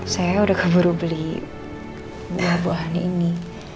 saya udah keburu beli buah buahan ini